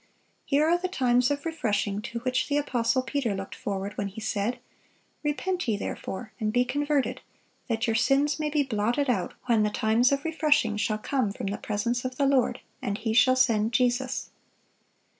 Here are "the times of refreshing" to which the apostle Peter looked forward when he said, "Repent ye therefore, and be converted, that your sins may be blotted out when the times of refreshing shall come from the presence of the Lord; and He shall send Jesus."